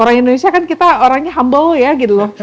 orang indonesia kan kita orangnya humble ya gitu loh